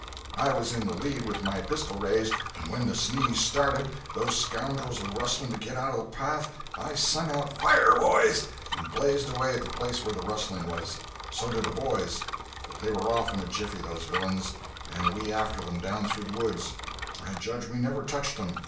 I was in the lead with my pistol raised, and when the sneeze started those scoundrels a rustling to get out of the path, I sung out, 'Fire boys!' and blazed away at the place where the rustling was. So did the boys. But they were off in a jiffy, those villains, and we after them, down through the woods. I judge we never touched them.